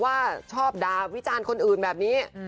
ว่าชอบด่าวิจารณ์คนอื่นแบบนี้